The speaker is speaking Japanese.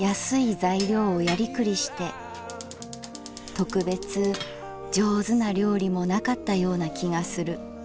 特別上手な料理もなかったような気がする。